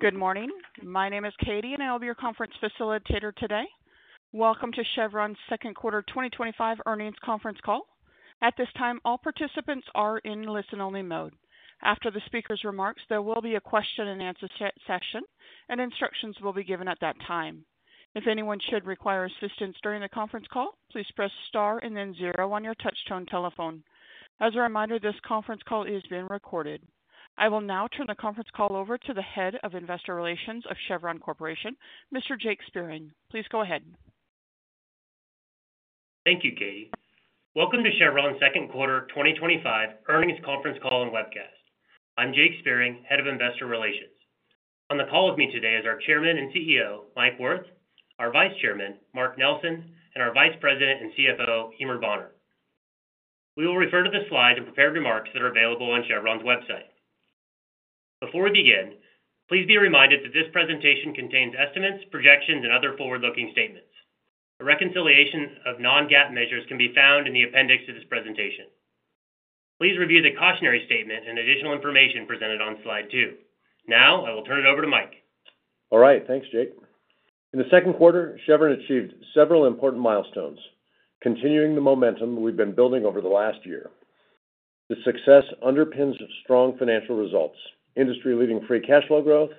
Good morning. My name is Katie, and I'll be your conference facilitator today. Welcome to Chevron's second quarter 2025 earnings conference call. At this time, all participants are in listen-only mode. After the speaker's remarks, there will be a question-and-answer section, and instructions will be given at that time. If anyone should require assistance during the conference call, please press star and then zero on your touch-tone telephone. As a reminder, this conference call is being recorded. I will now turn the conference call over to the Head of Investor Relations of Chevron Corporation, Mr. Jake Spiering. Please go ahead. Thank you, Katie. Welcome to Chevron's second quarter 2025 earnings conference call and webcast. I'm Jake Spiering, head of investor relations. On the call with me today are our Chairman and CEO, Mike Wirth, our Vice Chairman, Mark Nelson, and our Vice President and CFO, Eimear Bonner. We will refer to the slides and prepared remarks that are available on Chevron's website. Before we begin, please be reminded that this presentation contains estimates, projections, and other forward-looking statements. A reconciliation of non-GAAP measures can be found in the appendix to this presentation. Please review the cautionary statement and additional information presented on slide two. Now, I will turn it over to Mike. All right. Thanks, Jake. In the second quarter, Chevron achieved several important milestones, continuing the momentum we've been building over the last year. The success underpins strong financial results, industry-leading free cash flow growth,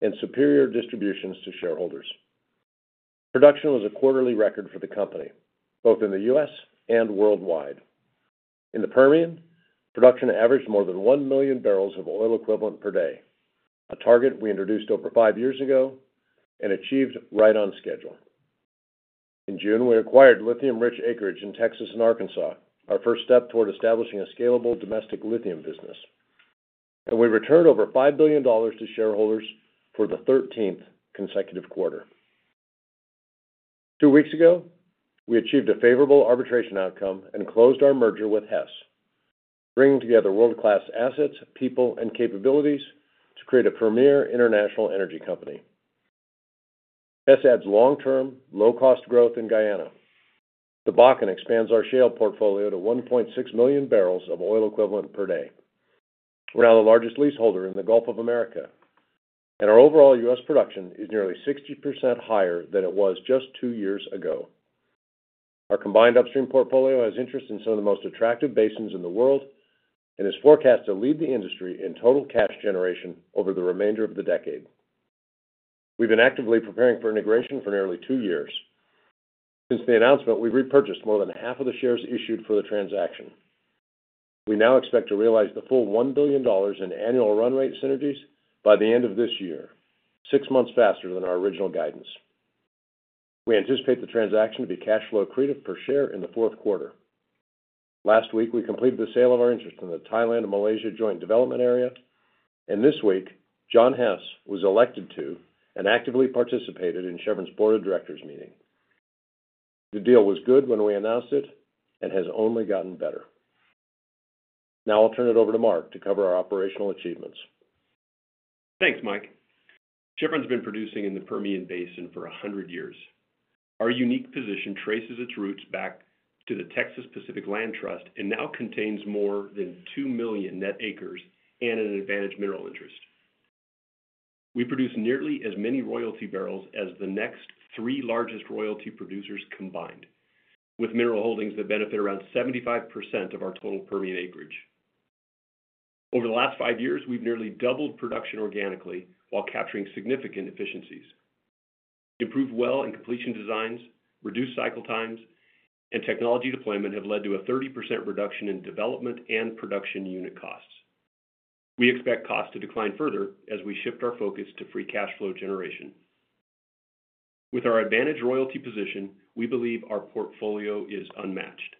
and superior distributions to shareholders. Production was a quarterly record for the company, both in the U.S. and worldwide. In the Permian, production averaged more than 1 million barrels of oil equivalent per day, a target we introduced over five years ago and achieved right on schedule. In June, we acquired lithium-rich acreage in Texas and Arkansas, our first step toward establishing a scalable domestic lithium business. We returned over $5 billion to shareholders for the 13th consecutive quarter. Two weeks ago, we achieved a favorable arbitration outcome and closed our merger with Hess, bringing together world-class assets, people, and capabilities to create a premier international energy company. Hess adds long-term, low-cost growth in Guyana. The Bakken expands our shale portfolio to 1.6 million barrels of oil equivalent per day. We're now the largest leaseholder in the Gulf of America, and our overall U.S. production is nearly 60% higher than it was just two years ago. Our combined upstream portfolio has interest in some of the most attractive basins in the world and is forecast to lead the industry in total cash generation over the remainder of the decade. We've been actively preparing for integration for nearly two years. Since the announcement, we've repurchased more than half of the shares issued for the transaction. We now expect to realize the full $1 billion in annual run rate synergies by the end of this year, six months faster than our original guidance. We anticipate the transaction to be cash flow accretive per share in the fourth quarter. Last week, we completed the sale of our interest in the Thailand-Malaysia Joint Development Area, and this week, John Hess was elected to and actively participated in Chevron's board of directors meeting. The deal was good when we announced it and has only gotten better. Now, I'll turn it over to Mark to cover our operational achievements. Thanks, Mike. Chevron's been producing in the Permian Basin for 100 years. Our unique position traces its roots back to the Texas Pacific Land Trust and now contains more than 2 million net acres and an advantaged mineral interest. We produce nearly as many royalty barrels as the next three largest royalty producers combined, with mineral holdings that benefit around 75% of our total Permian acreage. Over the last five years, we've nearly doubled production organically while capturing significant efficiencies. Improved well and completion designs, reduced cycle times, and technology deployment have led to a 30% reduction in development and production unit costs. We expect costs to decline further as we shift our focus to free cash flow generation. With our advantaged royalty position, we believe our portfolio is unmatched.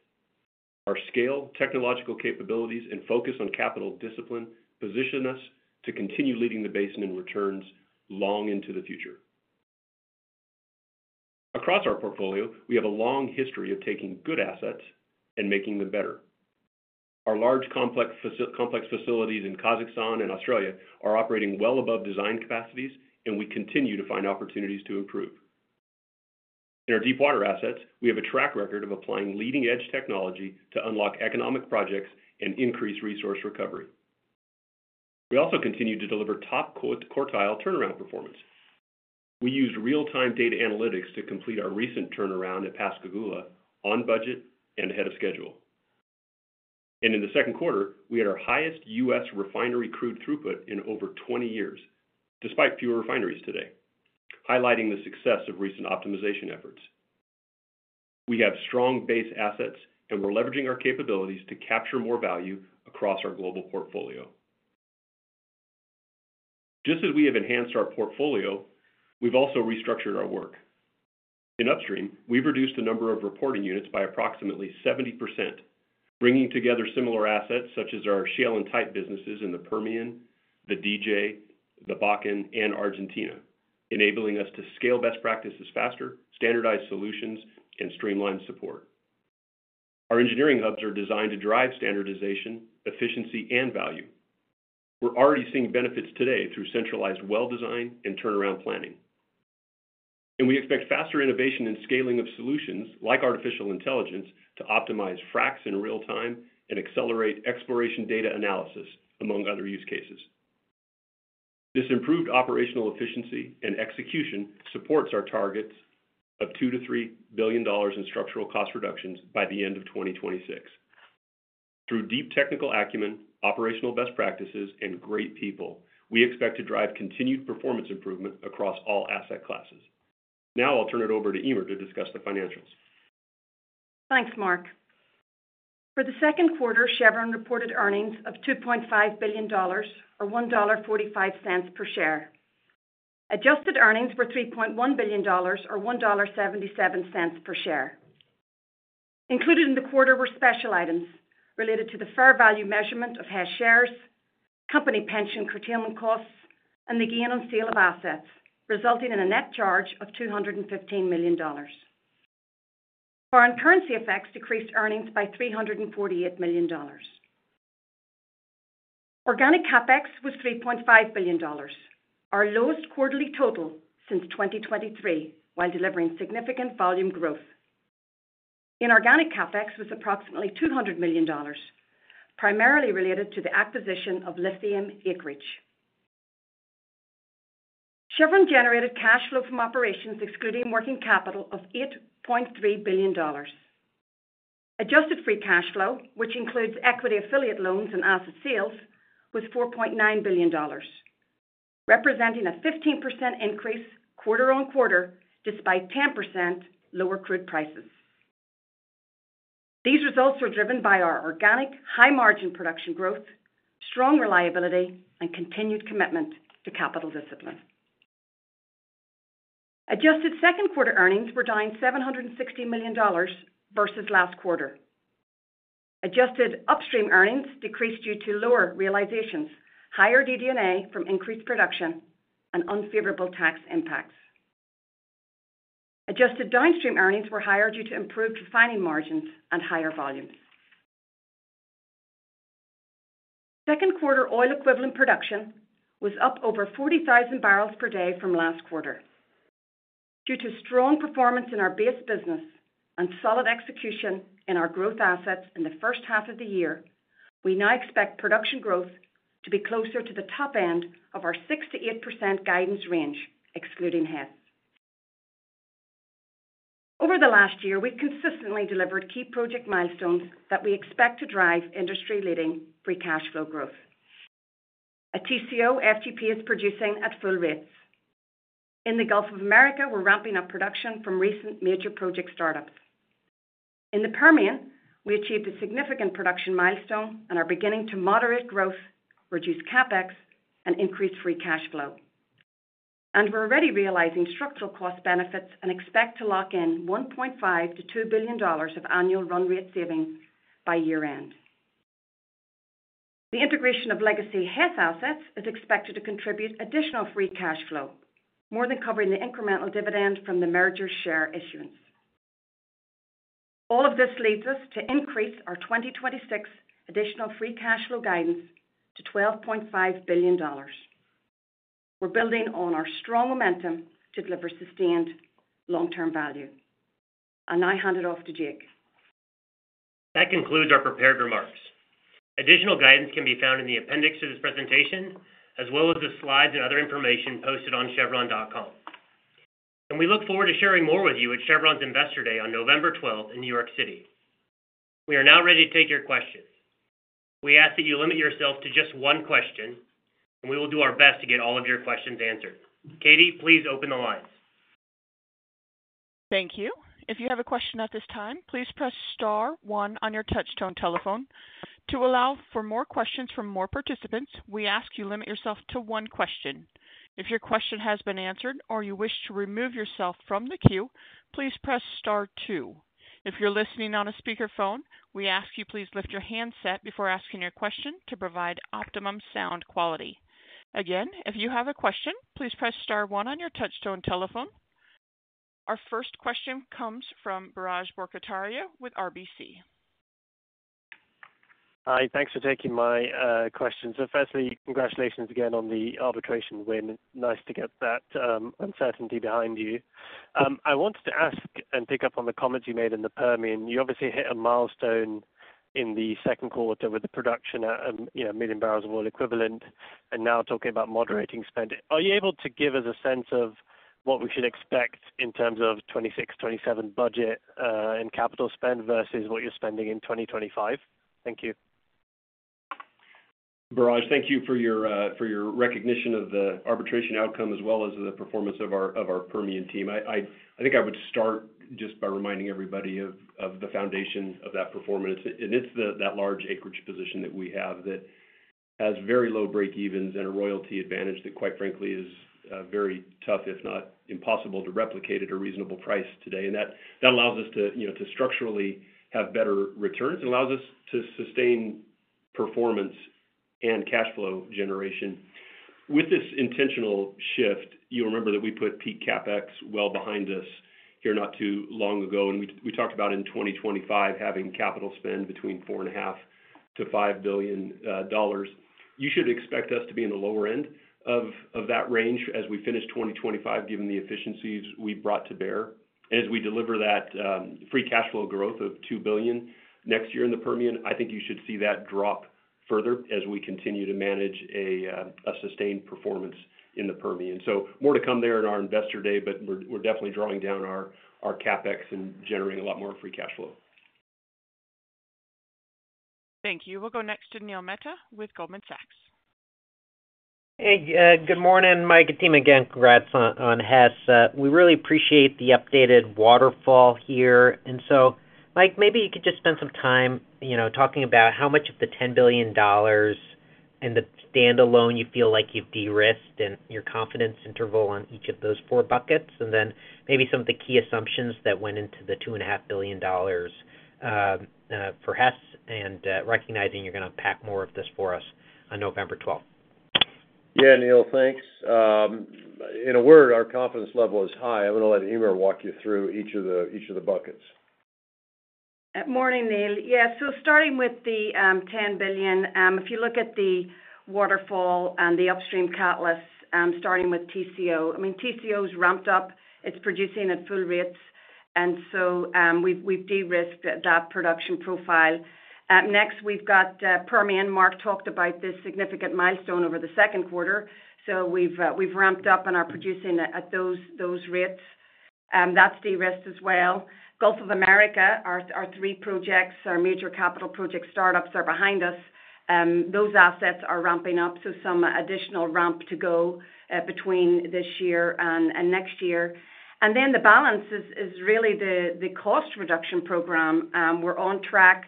Our scale, technological capabilities, and focus on capital discipline position us to continue leading the basin in returns long into the future. Across our portfolio, we have a long history of taking good assets and making them better. Our large complex facilities in Kazakhstan and Australia are operating well above design capacities, and we continue to find opportunities to improve. In our deep-water assets, we have a track record of applying leading-edge technology to unlock economic projects and increase resource recovery. We also continue to deliver top quartile turnaround performance. We used real-time data analytics to complete our recent turnaround at Pascagoula on budget and ahead of schedule. In the second quarter, we had our highest U.S. refinery crude throughput in over 20 years, despite fewer refineries today, highlighting the success of recent optimization efforts. We have strong base assets, and we're leveraging our capabilities to capture more value across our global portfolio. Just as we have enhanced our portfolio, we've also restructured our work. In upstream, we've reduced the number of reporting units by approximately 70%, bringing together similar assets such as our shale and type businesses in the Permian, the DJ, the Bakken, and Argentina, enabling us to scale best practices faster, standardize solutions, and streamline support. Our engineering hubs are designed to drive standardization, efficiency, and value. We're already seeing benefits today through centralized well design and turnaround planning. We expect faster innovation and scaling of solutions like artificial intelligence to optimize fracts in real time and accelerate exploration data analysis, among other use cases. This improved operational efficiency and execution supports our targets of $2-$3 billion instructural cost reductions by the end of 2026. Through deep technical acumen, operational best practices, and great people, we expect to drive continued performance improvement across all asset classes. Now, I'll turn it over to Eimear to discuss the financials. Thanks, Mark. For the second quarter, Chevron reported earnings of $2.5 billion, or $1.45 per share. Adjusted earnings were $3.1 billion, or $1.77 per share. Included in the quarter were special items related to the fair value measurement of Hess shares, company pension curtailment costs, and the gain on sale of assets, resulting in a net charge of $215 million. Foreign currency effects decreased earnings by $348 million. Organic CapEx was $3.5 billion, our lowest quarterly total since 2023, while delivering significant volume growth. Inorganic CapEx was approximately $200 million, primarily related to the acquisition of lithium acreage. Chevron generated cash flow from operations excluding working capital of $8.3 billion. Adjusted free cash flow, which includes equity affiliate loans and asset sales, was $4.9 billion, representing a 15% increase quarter on quarter despite 10% lower crude prices. These results were driven by our organic, high-margin production growth, strong reliability, and continued commitment to capital discipline. Adjusted second quarter earnings were down $760 million versus last quarter. Adjusted upstream earnings decreased due to lower realizations, higher DD&A from increased production, and unfavorable tax impacts. Adjusted downstream earnings were higher due to improved refining margins and higher volumes. Second quarter oil equivalent production was up over 40,000 barrels per day from last quarter. Due to strong performance in our base business and solid execution in our growth assets in the first half of the year, we now expect production growth to be closer to the top end of our 6%-8% guidance range, excluding Hess. Over the last year, we've consistently delivered key project milestones that we expect to drive industry-leading free cash flow growth. At TCO, FGP is producing at full rates. In the Gulf of America, we're ramping up production from recent major project startups. In the Permian, we achieved a significant production milestone and are beginning to moderate growth, reduce CapEx, and increase free cash flow. We're already realizing structural cost benefits and expect to lock in $1.5 billion-$2 billion of annual run rate savings by year-end. The integration of legacy Hess assets is expected to contribute additional free cash flow, more than covering the incremental dividend from the merger share issuance. All of this leads us to increase our 2026 additional free cash flow guidance to $12.5 billion. We're building on our strong momentum to deliver sustained long-term value. I'll now hand it off to Jake. That concludes our prepared remarks. Additional guidance can be found in the appendix to this presentation, as well as the slides and other information posted on chevron.com. We look forward to sharing more with you at Chevron's Investor Day on November 12th in New York City. We are now ready to take your questions. We ask that you limit yourself to just one question, and we will do our best to get all of your questions answered. Katie, please open the lines. Thank you. If you have a question at this time, please "press star one" on your touch-tone telephone. To allow for more questions from more participants, we ask you limit yourself to one question. If your question has been answered or you wish to remove yourself from the queue, please "press star two". If you're listening on a speakerphone, we ask you please lift your handset before asking your question to provide optimum sound quality. Again, if you have a question, please "press star one" on your touch-tone telephone. Our first question comes from Biraj Borkhataria with RBC. Hi. Thanks for taking my question. Firstly, congratulations again on the arbitration win. Nice to get that uncertainty behind you. I wanted to ask and pick up on the comments you made in the Permian. You obviously hit a milestone in the second quarter with the production at a million barrels of oil equivalent and now talking about moderating spend. Are you able to give us a sense of what we should expect in terms of 2026, 2027 budget and capital spend versus what you're spending in 2025? Thank you. Baraj, thank you for your recognition of the arbitration outcome as well as the performance of our Permian team. I think I would start just by reminding everybody of the foundation of that performance. It is that large acreage position that we have that has very low break-evens and a royalty advantage that, quite frankly, is very tough, if not impossible, to replicate at a reasonable price today. That allows us to structurally have better returns. It allows us to sustain performance and cash flow generation. With this intentional shift, you'll remember that we put peak CapEx well behind us here not too long ago. We talked about in 2025 having capital spend between $4.5-$5 billion. You should expect us to be in the lower end of that range as we finish 2025, given the efficiencies we brought to bear. As we deliver that free cash flow growth of $2 billion next year in the Permian, I think you should see that drop further as we continue to manage a sustained performance in the Permian. More to come there in our investor day, but we're definitely drawing down our CapEx and generating a lot more free cash flow. Thank you. We'll go next to Neil Mehta with Goldman Sachs. Hey, good morning. Mike and team again. Congrats on Hess. We really appreciate the updated waterfall here. Mike, maybe you could just spend some time talking about how much of the $10 billion and the standalone you feel like you've de-risked and your confidence interval on each of those four buckets, and then maybe some of the key assumptions that went into the $2.5 billion for Hess and recognizing you're going to unpack more of this for us on November 12th. Yeah, Neel, thanks. In a word, our confidence level is high. I'm going to let Eimear walk you through each of the buckets. Morning, Neel. Yeah, so starting with the $10 billion, if you look at the waterfall and the upstream catalyst, starting with TCO, I mean, TCO's ramped up. It's producing at full rates. And so we've de-risked that production profile. Next, we've got Permian. Mark talked about this significant milestone over the second quarter. So we've ramped up and are producing at those rates. That's de-risked as well. Gulf of America, our three projects, our major capital project startups are behind us. Those assets are ramping up. So some additional ramp to go between this year and next year. And then the balance is really the cost reduction program. We're on track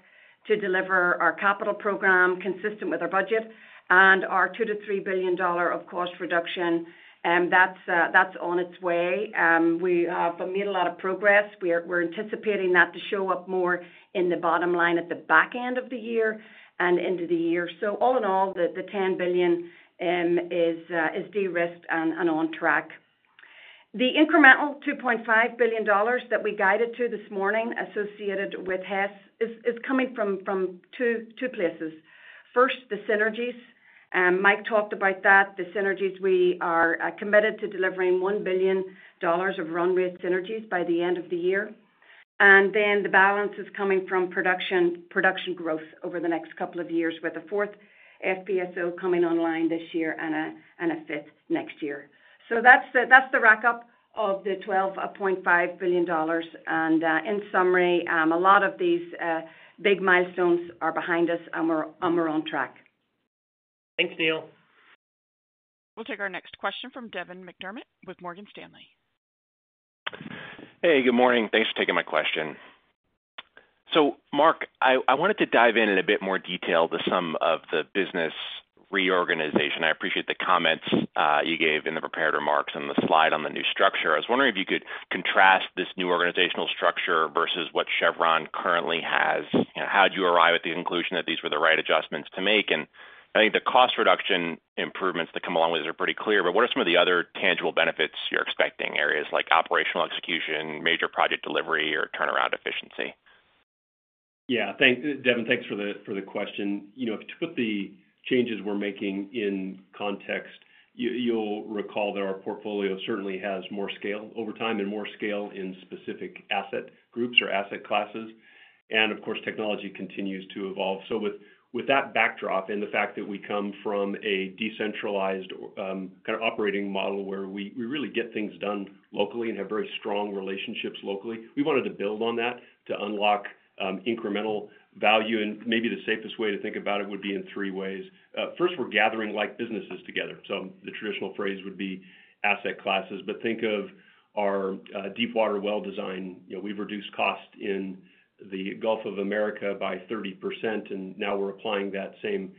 to deliver our capital program consistent with our budget and our $2-$3 billion of cost reduction. That's on its way. We have made a lot of progress. We're anticipating that to show up more in the bottom line at the back end of the year and into the year. All in all, the $10 billion is de-risked and on track. The incremental $2.5 billion that we guided to this morning associated with Hess is coming from two places. First, the synergies. Mike talked about that. The synergies, we are committed to delivering $1 billion of run rate synergies by the end of the year. The balance is coming from production growth over the next couple of years, with a fourth FPSO coming online this year and a fifth next year. That's the wrap-up of the $12.5 billion. In summary, a lot of these big milestones are behind us and we're on track. Thanks, Neil. We'll take our next question from Devin McDermott with Morgan Stanley. Hey, good morning. Thanks for taking my question. Mark, I wanted to dive in in a bit more detail to some of the business reorganization. I appreciate the comments you gave in the prepared remarks and the slide on the new structure. I was wondering if you could contrast this new organizational structure versus what Chevron currently has. How did you arrive at the conclusion that these were the right adjustments to make? I think the cost reduction improvements that come along with this are pretty clear. What are some of the other tangible benefits you're expecting, areas like operational execution, major project delivery, or turnaround efficiency? Yeah, thank you, Devin. Thanks for the question. If you put the changes we're making in context, you'll recall that our portfolio certainly has more scale over time and more scale in specific asset groups or asset classes. Of course, technology continues to evolve. With that backdrop and the fact that we come from a decentralized kind of operating model where we really get things done locally and have very strong relationships locally, we wanted to build on that to unlock incremental value. Maybe the safest way to think about it would be in three ways. First, we're gathering like businesses together. The traditional phrase would be asset classes. Think of our deep water well design. We've reduced cost in the Gulf of America by 30%. We are applying that same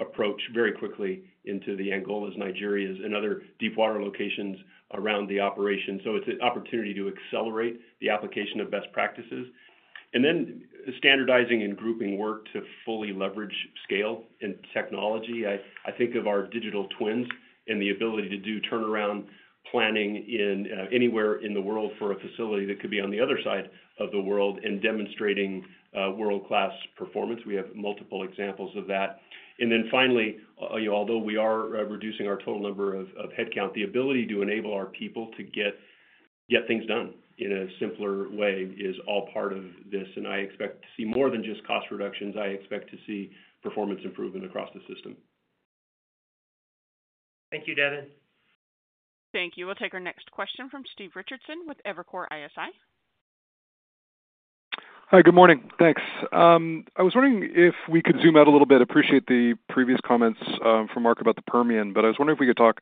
approach very quickly into the Angolas, Nigeria, and other deep water locations around the operation. It is an opportunity to accelerate the application of best practices. Standardizing and grouping work to fully leverage scale and technology is important. I think of our digital twins and the ability to do turnaround planning anywhere in the world for a facility that could be on the other side of the world and demonstrating world-class performance. We have multiple examples of that. Finally, although we are reducing our total number of headcount, the ability to enable our people to get things done in a simpler way is all part of this. I expect to see more than just cost reductions. I expect to see performance improvement across the system. Thank you, Devin. Thank you. We'll take our next question from Steve Richardson with Evercore ISI. Hi, good morning. Thanks. I was wondering if we could zoom out a little bit. Appreciate the previous comments from Mark about the Permian. I was wondering if we could talk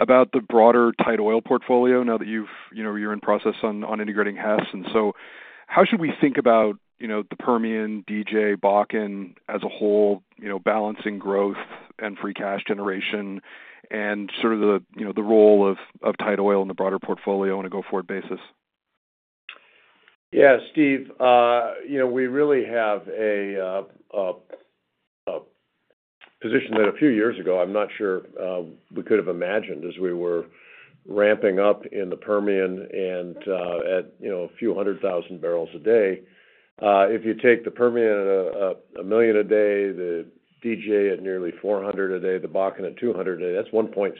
about the broader tight oil portfolio now that you're in process on integrating Hess. How should we think about the Permian, DJ, Bakken as a whole, balancing growth and free cash generation and sort of the role of tight oil in the broader portfolio on a go-forward basis? Yeah, Steve, we really have a position that a few years ago, I'm not sure we could have imagined as we were ramping up in the Permian and at a few hundred thousand barrels a day. If you take the Permian at a million a day, the DJ at nearly 400 a day, the Bakken at 200 a day, that's 1.6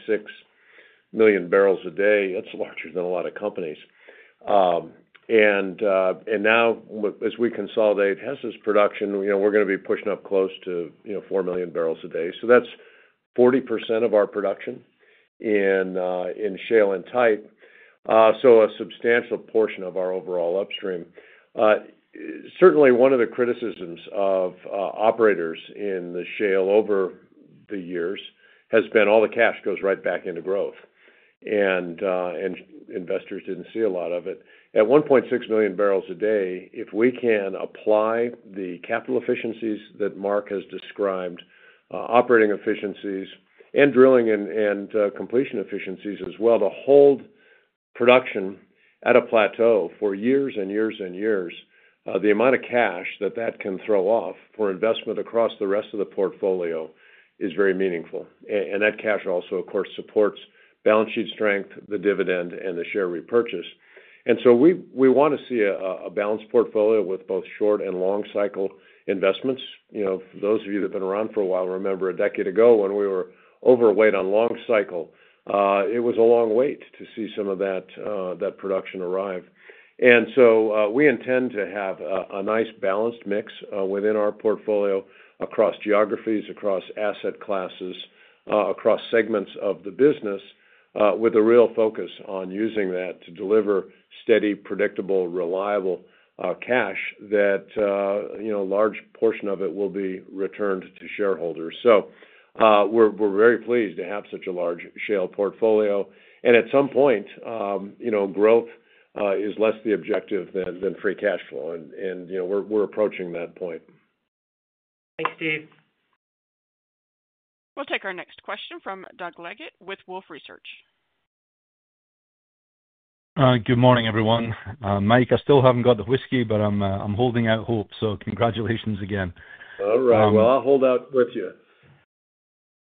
million barrels a day. That's larger than a lot of companies. Now, as we consolidate Hess's production, we're going to be pushing up close to 4 million barrels a day. That's 40% of our production in shale and type. A substantial portion of our overall upstream. Certainly, one of the criticisms of operators in the shale over the years has been all the cash goes right back into growth. Investors didn't see a lot of it. At 1.6 million barrels a day, if we can apply the capital efficiencies that Mark has described, operating efficiencies and drilling and completion efficiencies as well to hold production at a plateau for years and years and years, the amount of cash that that can throw off for investment across the rest of the portfolio is very meaningful. That cash also, of course, supports balance sheet strength, the dividend, and the share repurchase. We want to see a balanced portfolio with both short and long-cycle investments. Those of you that have been around for a while remember a decade ago when we were overweight on long-cycle. It was a long wait to see some of that production arrive. We intend to have a nice balanced mix within our portfolio across geographies, across asset classes, across segments of the business, with a real focus on using that to deliver steady, predictable, reliable cash that a large portion of it will be returned to shareholders. We are very pleased to have such a large shale portfolio. At some point, growth is less the objective than free cash flow. We are approaching that point. Thanks, Steve. We'll take our next question from Doug Leggate with Wolfe Research. Good morning, everyone. Mike, I still haven't got the whiskey, but I'm holding out hope. So congratulations again. All right. I'll hold out with you.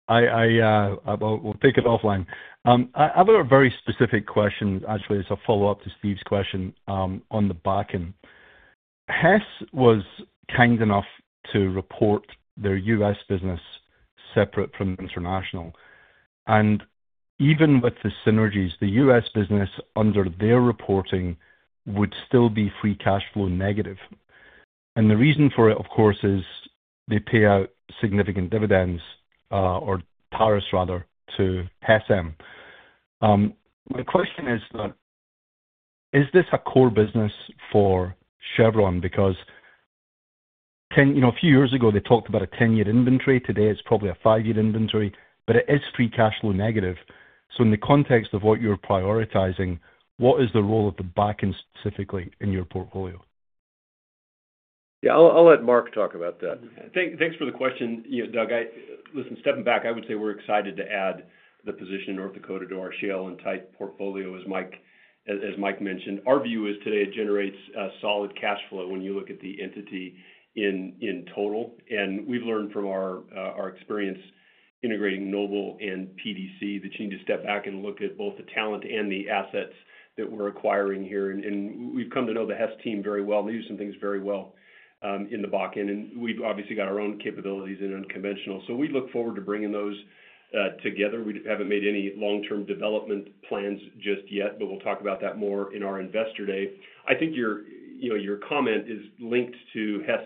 We'll take it offline. I have a very specific question, actually. It's a follow-up to Steve's question on the Bakken. Hess was kind enough to report their U.S. business separate from international. Even with the synergies, the U.S. business under their reporting would still be free cash flow negative. The reason for it, of course, is they pay out significant dividends or tariffs, rather, to Hess Midstream. My question is, is this a core business for Chevron? A few years ago, they talked about a 10-year inventory. Today, it's probably a 5-year inventory. It is free cash flow negative. In the context of what you're prioritizing, what is the role of the Bakken specifically in your portfolio? Yeah, I'll let Mark talk about that. Thanks for the question, Doug. Listen, stepping back, I would say we're excited to add the position in North Dakota to our shale and type portfolio, as Mike mentioned. Our view is today it generates solid cash flow when you look at the entity in total. We've learned from our experience integrating Noble and PDC that you need to step back and look at both the talent and the assets that we're acquiring here. We've come to know the Hess team very well. They do some things very well in the Bakken. We've obviously got our own capabilities in unconventional. We look forward to bringing those together. We haven't made any long-term development plans just yet, but we'll talk about that more in our investor day. I think your comment is linked to Hess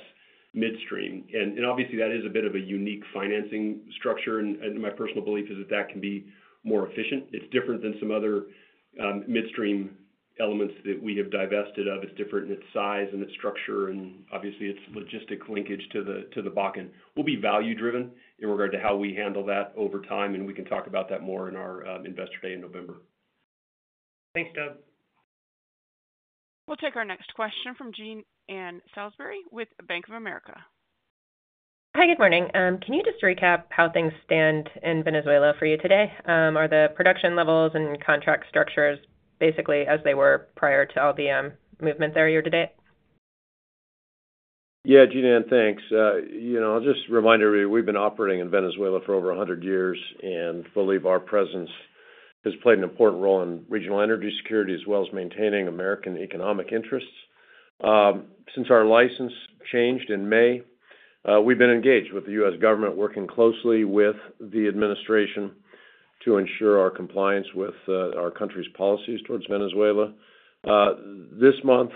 Midstream. Obviously, that is a bit of a unique financing structure. My personal belief is that that can be more efficient. It is different than some other midstream elements that we have divested of. It is different in its size and its structure. Obviously, its logistic linkage to the Bakken. We will be value-driven in regard to how we handle that over time. We can talk about that more in our investor day in November. Thanks, Doug. We'll take our next question from Jean Anne Salisbury with Bank of America. Hi, good morning. Can you just recap how things stand in Venezuela for you today? Are the production levels and contract structures basically as they were prior to all the movement there year to date? Yeah, Jean Ann, thanks. I'll just remind everybody we've been operating in Venezuela for over 100 years. I believe our presence has played an important role in regional energy security as well as maintaining American economic interests. Since our license changed in May, we've been engaged with the U.S. government, working closely with the administration to ensure our compliance with our country's policies towards Venezuela. This month,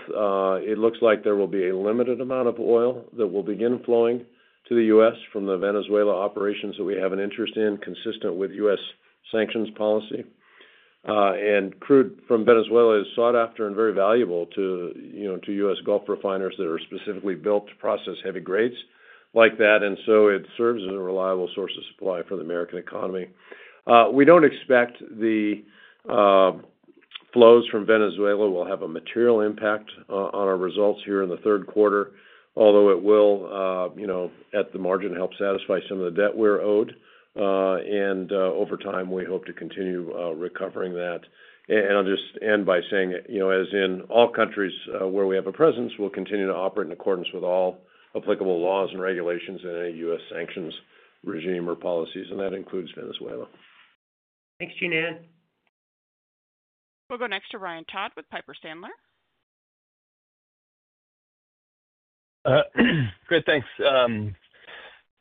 it looks like there will be a limited amount of oil that will begin flowing to the U.S. from the Venezuela operations that we have an interest in, consistent with U.S. sanctions policy. Crude from Venezuela is sought after and very valuable to U.S. Gulf refiners that are specifically built to process heavy grades like that. It serves as a reliable source of supply for the American economy. We do not expect the flows from Venezuela will have a material impact on our results here in the third quarter, although it will, at the margin, help satisfy some of the debt we are owed. Over time, we hope to continue recovering that. I will just end by saying, as in all countries where we have a presence, we will continue to operate in accordance with all applicable laws and regulations and any U.S. sanctions regime or policies. That includes Venezuela. Thanks, Jean Ann. We'll go next to Ryan Todd with Piper Sandler. Great. Thanks.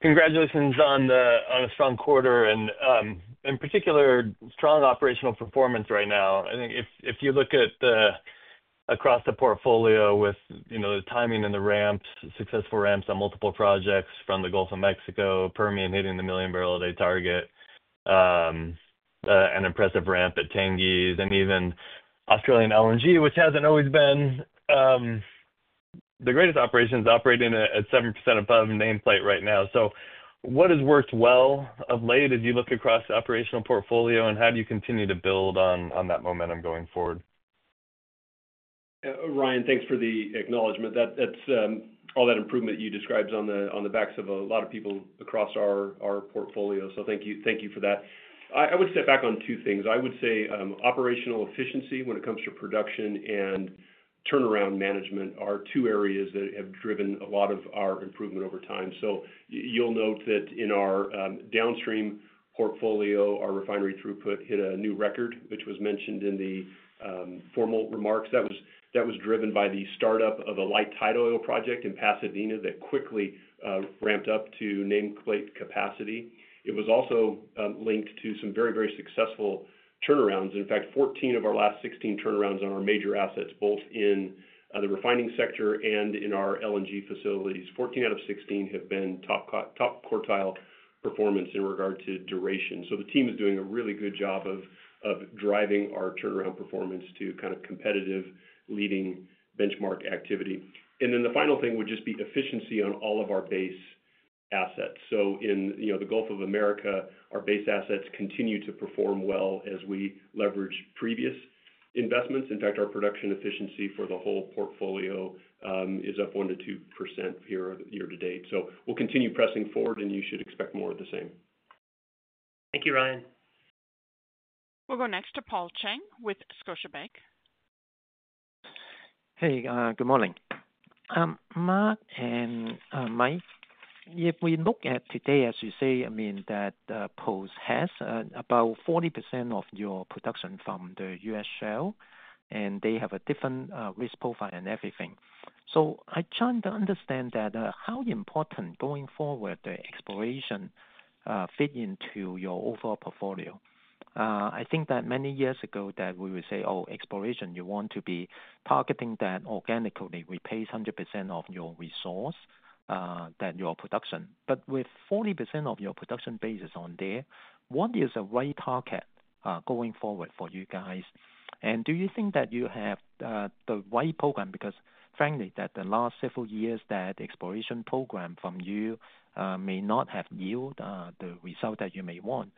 Congratulations on a strong quarter and, in particular, strong operational performance right now. I think if you look across the portfolio with the timing and the ramps, successful ramps on multiple projects from the Gulf of Mexico, Permian hitting the million barrel a day target, an impressive ramp at Tengiz, and even Australian LNG, which has not always been the greatest operations, operating at 7% above nameplate right now. What has worked well of late as you look across the operational portfolio and how do you continue to build on that momentum going forward? Ryan, thanks for the acknowledgment. All that improvement you described is on the backs of a lot of people across our portfolio. Thank you for that. I would step back on two things. I would say operational efficiency when it comes to production and turnaround management are two areas that have driven a lot of our improvement over time. You'll note that in our downstream portfolio, our refinery throughput hit a new record, which was mentioned in the formal remarks. That was driven by the startup of a light tight oil project in Pasadena that quickly ramped up to nameplate capacity. It was also linked to some very, very successful turnarounds. In fact, 14 of our last 16 turnarounds on our major assets, both in the refining sector and in our LNG facilities, 14 out of 16 have been top quartile performance in regard to duration. The team is doing a really good job of driving our turnaround performance to kind of competitive leading benchmark activity. The final thing would just be efficiency on all of our base assets. In the Gulf of America, our base assets continue to perform well as we leverage previous investments. In fact, our production efficiency for the whole portfolio is up 1%-2% year to date. We'll continue pressing forward, and you should expect more of the same. Thank you, Ryan. We'll go next to Paul Cheng with Scotiabank. Hey, good morning. Mark and Mike, if we look at today, as you say, I mean, that post has about 40% of your production from the U.S. shale, and they have a different risk profile and everything. I try to understand how important going forward the exploration fit into your overall portfolio. I think that many years ago that we would say, "Oh, exploration, you want to be targeting that organically. We pay 100% of your resource that your production." But with 40% of your production basis on there, what is the right target going forward for you guys? And do you think that you have the right program? Because frankly, that the last several years that exploration program from you may not have yielded the result that you may want.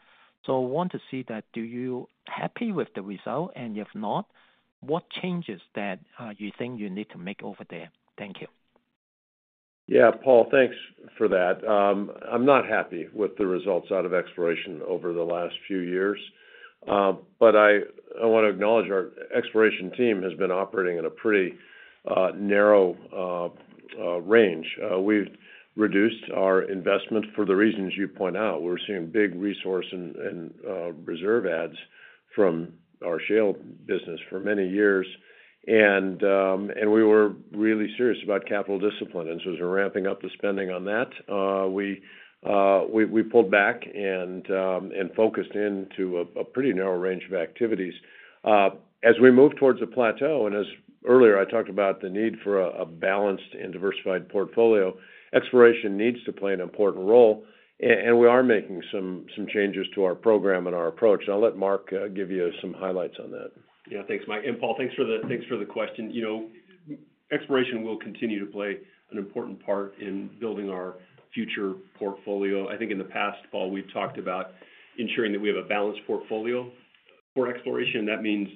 I want to see that. Do you happy with the result? If not, what changes that you think you need to make over there? Thank you. Yeah, Paul, thanks for that. I'm not happy with the results out of exploration over the last few years. I want to acknowledge our exploration team has been operating in a pretty narrow range. We've reduced our investment for the reasons you point out. We're seeing big resource and reserve adds from our shale business for many years. We were really serious about capital discipline. As we're ramping up the spending on that, we pulled back and focused into a pretty narrow range of activities. As we move towards a plateau, and as earlier I talked about the need for a balanced and diversified portfolio, exploration needs to play an important role. We are making some changes to our program and our approach. I'll let Mark give you some highlights on that. Yeah, thanks, Mike. And Paul, thanks for the question. Exploration will continue to play an important part in building our future portfolio. I think in the past, Paul, we've talked about ensuring that we have a balanced portfolio for exploration. That means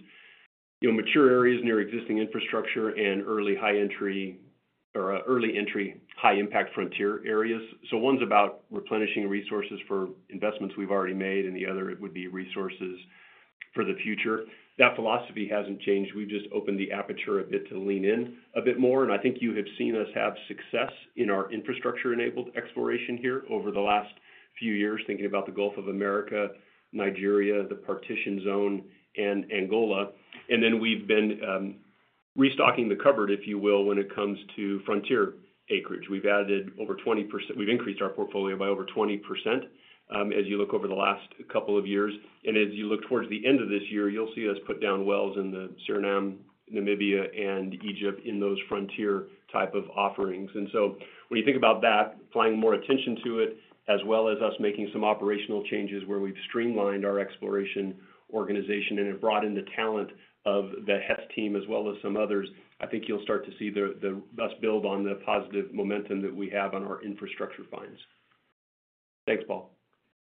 mature areas near existing infrastructure and early high-entry or early entry high-impact frontier areas. One's about replenishing resources for investments we've already made, and the other would be resources for the future. That philosophy hasn't changed. We've just opened the aperture a bit to lean in a bit more. I think you have seen us have success in our infrastructure-enabled exploration here over the last few years, thinking about the Gulf of America, Nigeria, the Partitioned Zone, and Angola. We've been restocking the cupboard, if you will, when it comes to frontier acreage. We've added over 20%. have increased our portfolio by over 20% as you look over the last couple of years. As you look towards the end of this year, you will see us put down wells in Suriname, Namibia, and Egypt in those frontier type of offerings. When you think about that, applying more attention to it, as well as us making some operational changes where we have streamlined our exploration organization and have brought in the talent of the Hess team as well as some others, I think you will start to see us build on the positive momentum that we have on our infrastructure finds. Thanks, Paul.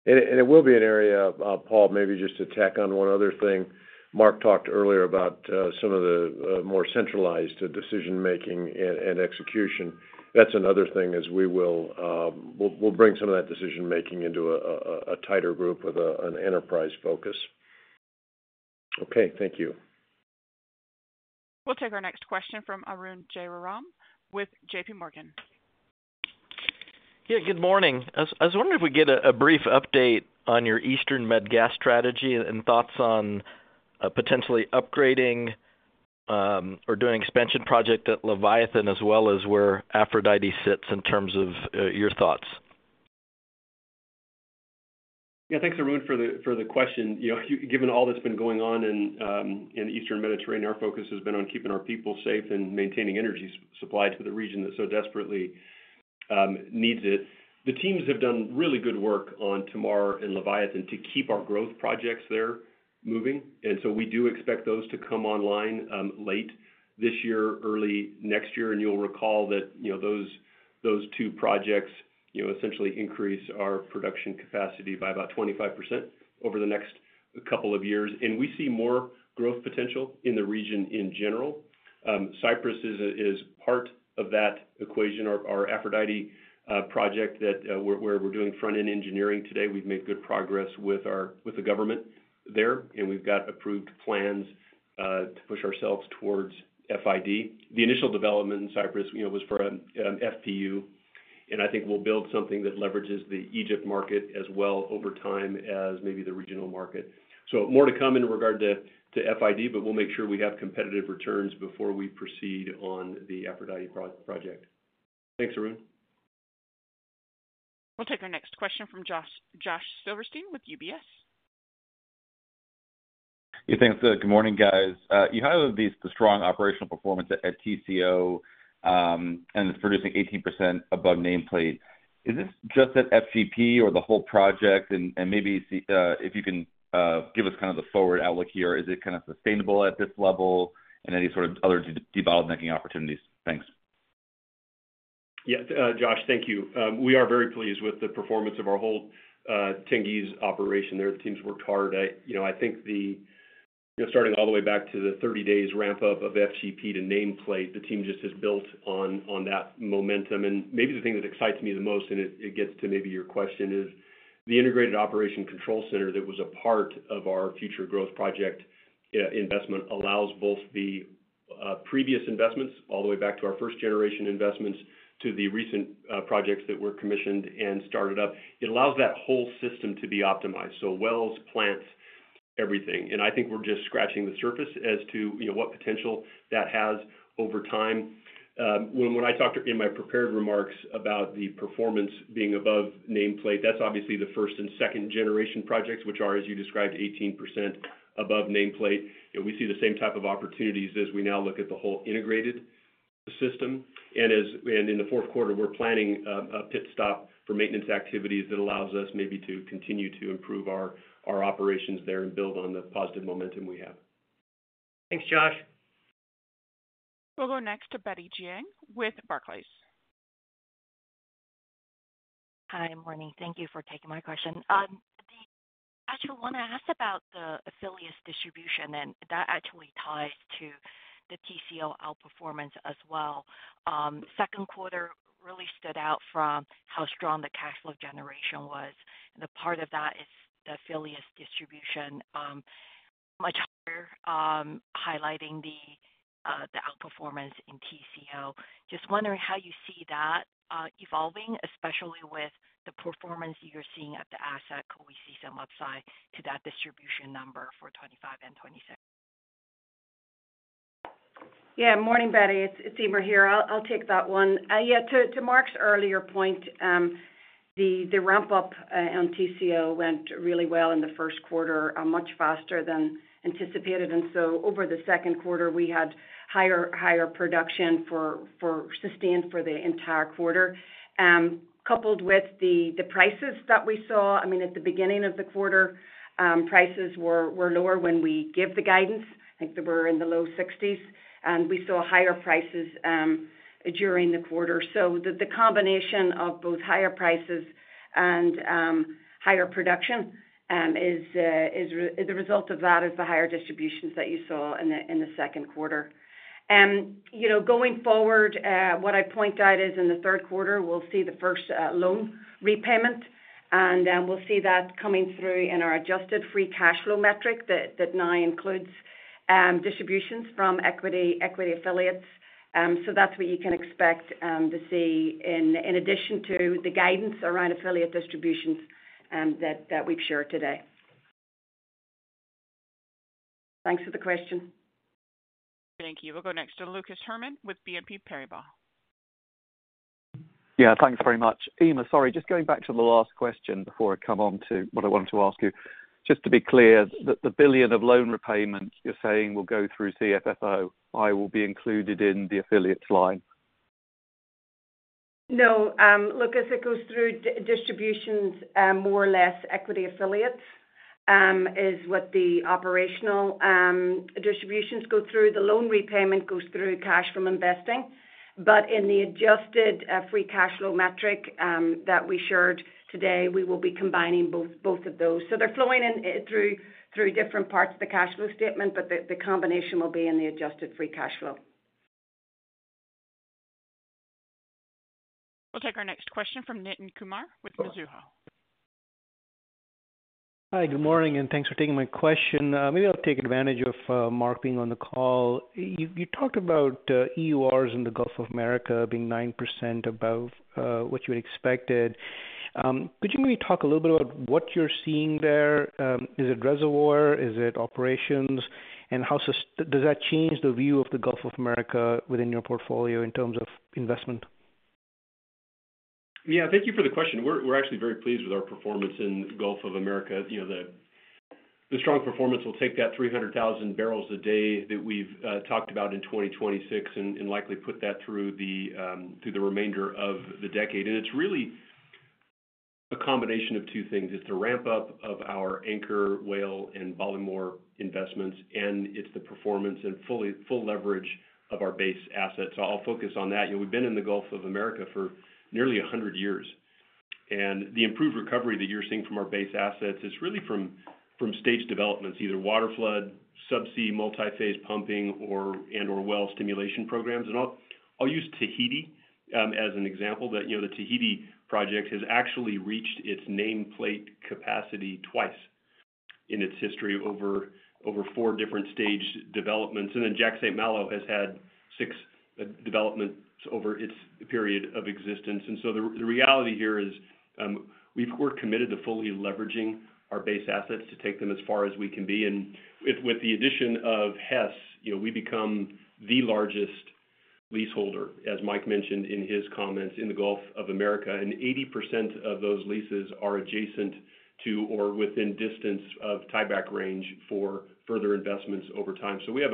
It will be an area, Paul, maybe just to tack on one other thing. Mark talked earlier about some of the more centralized decision-making and execution. That is another thing as we will bring some of that decision-making into a tighter group with an enterprise focus. Okay, thank you. We'll take our next question from Arun Jayaram with JPMorgan. Yeah, good morning. I was wondering if we could get a brief update on your Eastern Med gas strategy and thoughts on potentially upgrading or doing an expansion project at Leviathan as well as where Aphrodite sits in terms of your thoughts. Yeah, thanks, Arun, for the question. Given all that's been going on in the Eastern Mediterranean, our focus has been on keeping our people safe and maintaining energy supply to the region that so desperately needs it. The teams have done really good work on Tamar and Leviathan to keep our growth projects there moving. We do expect those to come online late this year, early next year. You'll recall that those two projects essentially increase our production capacity by about 25% over the next couple of years. We see more growth potential in the region in general. Cyprus is part of that equation, our Aphrodite project where we're doing front-end engineering today. We've made good progress with the government there. We've got approved plans to push ourselves towards FID. The initial development in Cyprus was for an FPU. I think we'll build something that leverages the Egypt market as well over time as maybe the regional market. More to come in regard to FID, but we'll make sure we have competitive returns before we proceed on the Aphrodite project. Thanks, Arun. We'll take our next question from Josh Silverstein with UBS. Hey, thanks. Good morning, guys. You have the strong operational performance at TCO, and it's producing 18% above nameplate. Is this just at FGP or the whole project? Maybe if you can give us kind of the forward outlook here, is it kind of sustainable at this level and any sort of other debottlenecking opportunities? Thanks. Yeah, Josh, thank you. We are very pleased with the performance of our whole Tengiz operation there. The team's worked hard. I think starting all the way back to the 30 days ramp-up of FGP to nameplate, the team just has built on that momentum. Maybe the thing that excites me the most, and it gets to maybe your question, is the integrated operation control center that was a part of our future growth project investment allows both the previous investments all the way back to our first-generation investments to the recent projects that were commissioned and started up. It allows that whole system to be optimized. Wells, plants, everything. I think we're just scratching the surface as to what potential that has over time. When I talked in my prepared remarks about the performance being above nameplate, that's obviously the first and second-generation projects, which are, as you described, 18% above nameplate. We see the same type of opportunities as we now look at the whole integrated system. In the fourth quarter, we're planning a pit stop for maintenance activities that allows us maybe to continue to improve our operations there and build on the positive momentum we have. Thanks, Josh. We'll go next to Betty Jiang with Barclays. Hi, morning. Thank you for taking my question. I actually want to ask about the affiliate distribution, and that actually ties to the TCO outperformance as well. Second quarter really stood out from how strong the cash flow generation was. A part of that is the affiliate distribution, much higher highlighting the outperformance in TCO. Just wondering how you see that evolving, especially with the performance you're seeing at the asset coefficient upside to that distribution number for 2025 and 2026. Yeah, morning, Betty. It's Eimear here. I'll take that one. Yeah, to Mark's earlier point, the ramp-up on TCO went really well in the first quarter, much faster than anticipated. Over the second quarter, we had higher production sustained for the entire quarter, coupled with the prices that we saw. I mean, at the beginning of the quarter, prices were lower when we gave the guidance. I think they were in the low 60s. We saw higher prices during the quarter. The combination of both higher prices and higher production, the result of that is the higher distributions that you saw in the second quarter. Going forward, what I point out is in the third quarter, we'll see the first loan repayment. We'll see that coming through in our adjusted free cash flow metric that now includes distributions from equity affiliates. That's what you can expect to see in addition to the guidance around affiliate distributions that we've shared today. Thanks for the question. Thank you. We'll go next to Lucas Herrmann with BNP Paribas. Yeah, thanks very much. Eimear, sorry, just going back to the last question before I come on to what I wanted to ask you. Just to be clear, the billion of loan repayments you're saying will go through CFFO, will be included in the affiliates line? No, Lucas, it goes through distributions more or less. Equity affiliates is what the operational distributions go through. The loan repayment goes through cash from investing. In the adjusted free cash flow metric that we shared today, we will be combining both of those. They are flowing through different parts of the cash flow statement, but the combination will be in the adjusted free cash flow. We'll take our next question from Nitin Kumar with Mizuho. Hi, good morning, and thanks for taking my question. Maybe I'll take advantage of Mark being on the call. You talked about EURs in the Gulf of America being 9% above what you had expected. Could you maybe talk a little bit about what you're seeing there? Is it reservoir? Is it operations? Does that change the view of the Gulf of America within your portfolio in terms of investment? Yeah, thank you for the question. We're actually very pleased with our performance in the Gulf of America. The strong performance will take that 300,000 barrels a day that we've talked about in 2026 and likely put that through the remainder of the decade. It is really a combination of two things. It is the ramp-up of our Anchor, Whale, and Baltimore investments, and it is the performance and full leverage of our base assets. I'll focus on that. We've been in the Gulf of America for nearly 100 years. The improved recovery that you're seeing from our base assets is really from stage developments, either water flood, subsea multi-phase pumping, and/or well stimulation programs. I'll use Tahiti as an example. The Tahiti project has actually reached its nameplate capacity twice in its history over four different stage developments. Jack St Malo has had six developments over its period of existence. The reality here is we're committed to fully leveraging our base assets to take them as far as we can be. With the addition of Hess, we become the largest leaseholder, as Mike mentioned in his comments, in the Gulf of America. 80% of those leases are adjacent to or within distance of tieback range for further investments over time. We have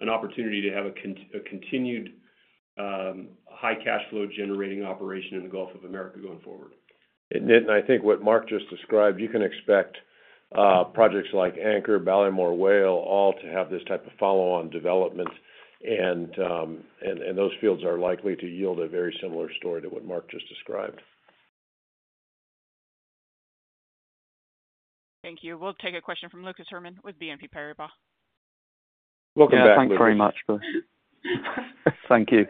an opportunity to have a continued high cash flow generating operation in the Gulf of America going forward. I think what Mark just described, you can expect projects like Anchor, Baltimore, Whale, all to have this type of follow-on development. Those fields are likely to yield a very similar story to what Mark just described. Thank you. We'll take a question from Lucas Herrmann with BNP Paribas. Welcome back, guys. Thanks very much. Thank you.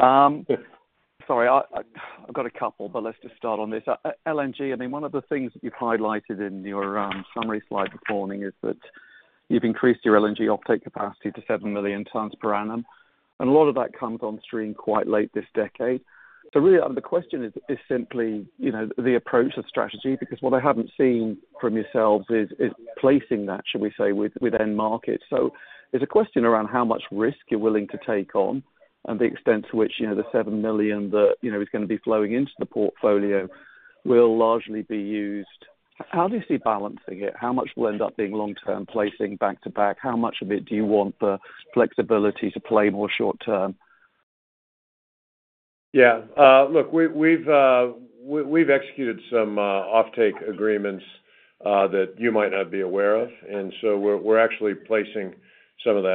Sorry, I've got a couple, but let's just start on this. LNG, I mean, one of the things that you've highlighted in your summary slide this morning is that you've increased your LNG uptake capacity to 7 million tons per annum. A lot of that comes on stream quite late this decade. Really, the question is simply the approach of strategy because what I haven't seen from yourselves is placing that, shall we say, within markets. It's a question around how much risk you're willing to take on and the extent to which the 7 million that is going to be flowing into the portfolio will largely be used. How do you see balancing it? How much will end up being long-term placing back to back? How much of it do you want the flexibility to play more short-term? Yeah. Look, we've executed some offtake agreements that you might not be aware of. We're actually placing some of that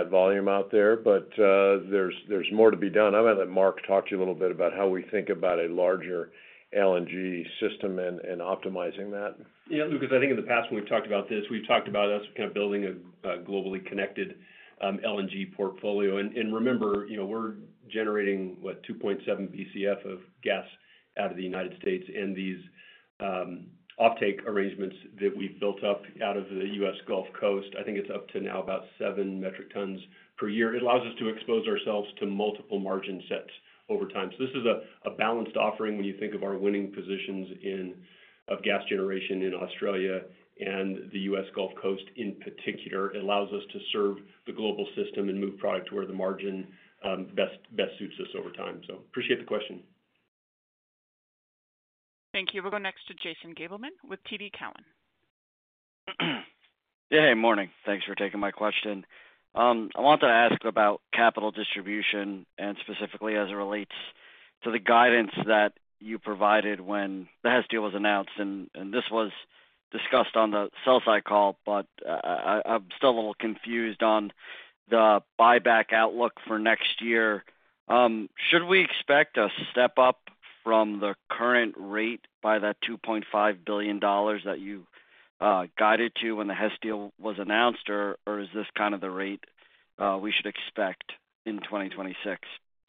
volume out there, but there's more to be done. I'm going to let Mark talk to you a little bit about how we think about a larger LNG system and optimizing that. Yeah, Lucas, I think in the past when we've talked about this, we've talked about us kind of building a globally connected LNG portfolio. And remember, we're generating, what, 2.7 BCF of gas out of the United States. And these offtake arrangements that we've built up out of the U.S. Gulf Coast, I think it's up to now about 7 metric tons per year. It allows us to expose ourselves to multiple margin sets over time. This is a balanced offering when you think of our winning positions of gas generation in Australia and the U.S. Gulf Coast in particular. It allows us to serve the global system and move product to where the margin best suits us over time. Appreciate the question. Thank you. We'll go next to Jason Gabelman with TD Cowen. Yeah, hey, morning. Thanks for taking my question. I wanted to ask about capital distribution and specifically as it relates to the guidance that you provided when the Hess deal was announced. This was discussed on the sell-side call, but I'm still a little confused on the buyback outlook for next year. Should we expect a step up from the current rate by that $2.5 billion that you guided to when the Hess deal was announced, or is this kind of the rate we should expect in 2026?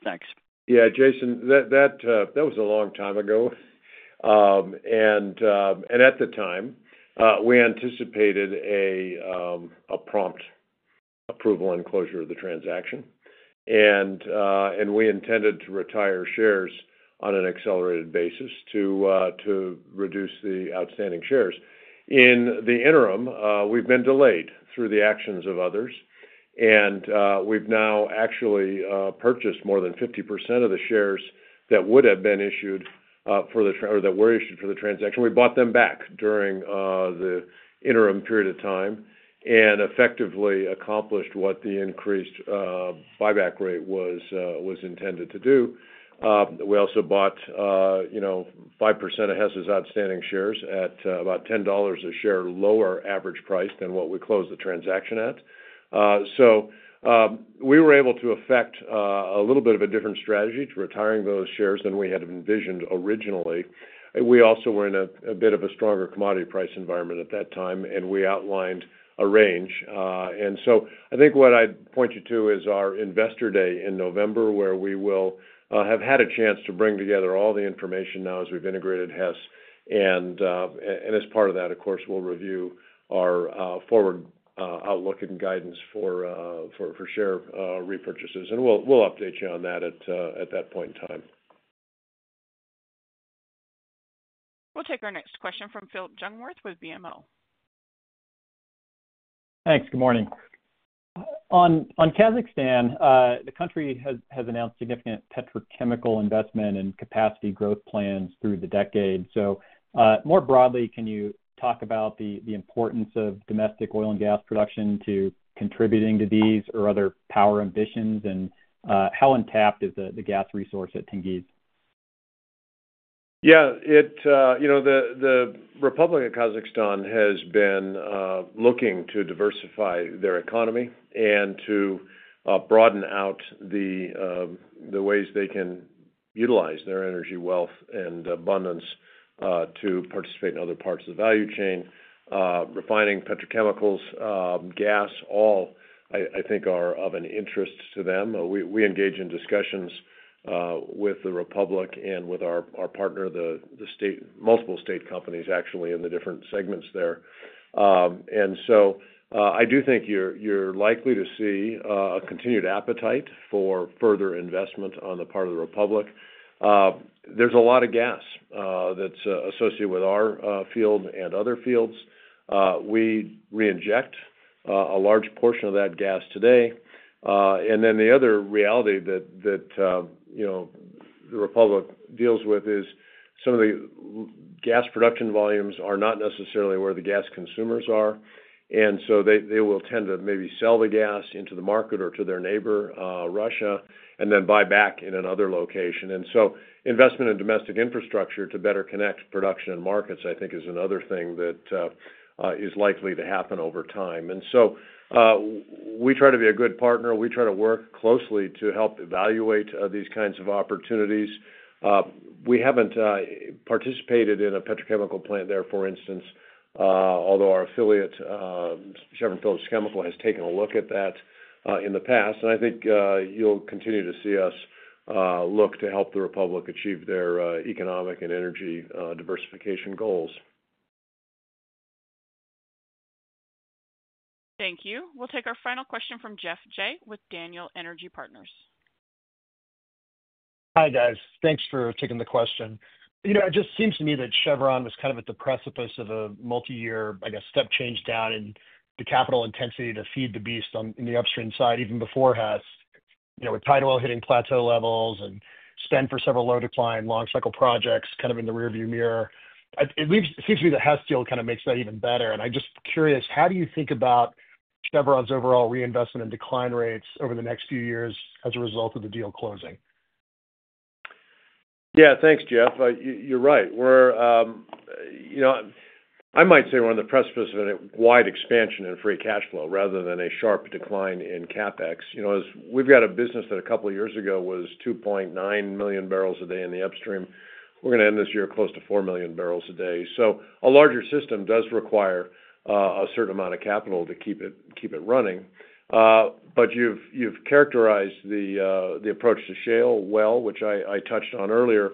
Thanks. Yeah, Jason, that was a long time ago. At the time, we anticipated a prompt approval and closure of the transaction. We intended to retire shares on an accelerated basis to reduce the outstanding shares. In the interim, we've been delayed through the actions of others. We've now actually purchased more than 50% of the shares that would have been issued for or that were issued for the transaction. We bought them back during the interim period of time and effectively accomplished what the increased buyback rate was intended to do. We also bought 5% of Hess's outstanding shares at about $10 a share lower average price than what we closed the transaction at. We were able to effect a little bit of a different strategy to retiring those shares than we had envisioned originally. We also were in a bit of a stronger commodity price environment at that time, and we outlined a range. I think what I'd point you to is our investor day in November, where we will have had a chance to bring together all the information now as we've integrated Hess. As part of that, of course, we'll review our forward outlook and guidance for share repurchases. We'll update you on that at that point in time. We'll take our next question from Phillip Jungwirth with BMO. Thanks. Good morning. On Kazakhstan, the country has announced significant petrochemical investment and capacity growth plans through the decade. More broadly, can you talk about the importance of domestic oil and gas production to contributing to these or other power ambitions? How intact is the gas resource at Tengiz? Yeah. The Republic of Kazakhstan has been looking to diversify their economy and to broaden out the ways they can utilize their energy wealth and abundance to participate in other parts of the value chain. Refining, petrochemicals, gas, all I think are of an interest to them. We engage in discussions with the Republic and with our partner, the multiple state companies actually in the different segments there. I do think you are likely to see a continued appetite for further investment on the part of the Republic. There is a lot of gas that is associated with our field and other fields. We reinject a large portion of that gas today. The other reality that the Republic deals with is some of the gas production volumes are not necessarily where the gas consumers are. They will tend to maybe sell the gas into the market or to their neighbor, Russia, and then buy back in another location. Investment in domestic infrastructure to better connect production and markets, I think, is another thing that is likely to happen over time. We try to be a good partner. We try to work closely to help evaluate these kinds of opportunities. We have not participated in a petrochemical plant there, for instance, although our affiliate, Chevron Phillips Chemical, has taken a look at that in the past. I think you will continue to see us look to help the Republic achieve their economic and energy diversification goals. Thank you. We'll take our final question from Geoff Jay with Daniel Energy Partners. Hi, guys. Thanks for taking the question. It just seems to me that Chevron was kind of at the precipice of a multi-year, I guess, step change down in the capital intensity to feed the beast on the upstream side, even before Hess, with TCO well hitting plateau levels and spend for several low-decline, long-cycle projects kind of in the rearview mirror. It seems to me that Hess deal kind of makes that even better. I'm just curious, how do you think about Chevron's overall reinvestment and decline rates over the next few years as a result of the deal closing? Yeah, thanks, Jeff. You're right. I might say we're on the precipice of a wide expansion in free cash flow rather than a sharp decline in CapEx. We've got a business that a couple of years ago was 2.9 million barrels a day in the upstream. We're going to end this year close to 4 million barrels a day. A larger system does require a certain amount of capital to keep it running. You've characterized the approach to shale well, which I touched on earlier.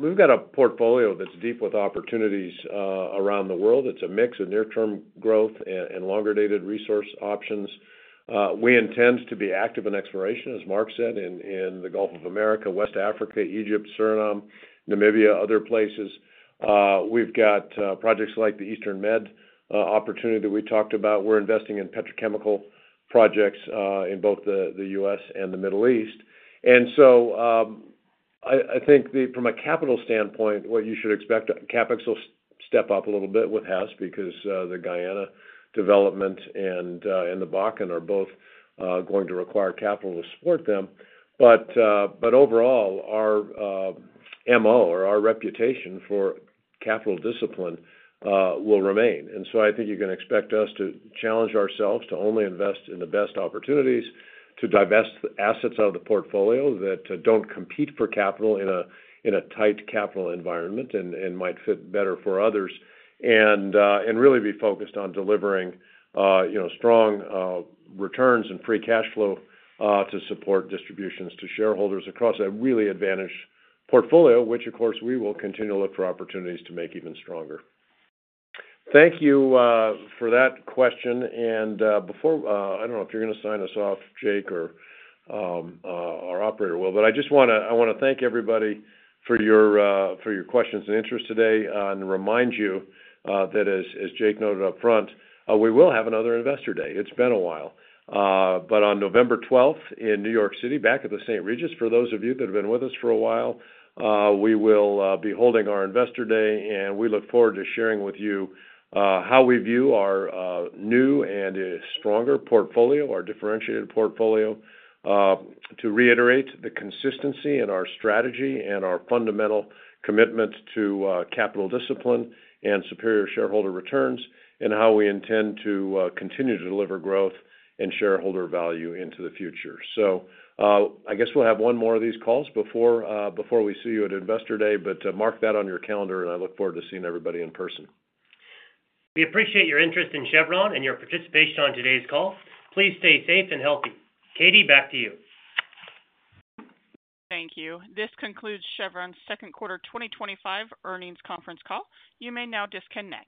We've got a portfolio that's deep with opportunities around the world. It's a mix of near-term growth and longer-dated resource options. We intend to be active in exploration, as Mark said, in the Gulf of America, West Africa, Egypt, Suriname, Namibia, other places. We've got projects like the Eastern Med opportunity that we talked about. We're investing in petrochemical projects in both the U.S. and the Middle East. I think from a capital standpoint, what you should expect, CapEx will step up a little bit with Hess because the Guyana development and the Bakken are both going to require capital to support them. Overall, our MO or our reputation for capital discipline will remain. I think you can expect us to challenge ourselves to only invest in the best opportunities, to divest assets out of the portfolio that do not compete for capital in a tight capital environment and might fit better for others, and really be focused on delivering strong returns and free cash flow to support distributions to shareholders across a really advantaged portfolio, which, of course, we will continue to look for opportunities to make even stronger. Thank you for that question. I do not know if you are going to sign us off, Jake, or our operator will, but I just want to thank everybody for your questions and interest today and remind you that, as Jake noted upfront, we will have another investor day. It has been a while. On November 12th in New York City, back at the St. Regis, for those of you that have been with us for a while, we will be holding our investor day, and we look forward to sharing with you how we view our new and stronger portfolio, our differentiated portfolio, to reiterate the consistency in our strategy and our fundamental commitment to capital discipline and superior shareholder returns and how we intend to continue to deliver growth and shareholder value into the future. I guess we'll have one more of these calls before we see you at Investor Day, but mark that on your calendar, and I look forward to seeing everybody in person. We appreciate your interest in Chevron and your participation on today's call. Please stay safe and healthy. Katie, back to you. Thank you. This concludes Chevron's second quarter 2025 earnings conference call. You may now disconnect.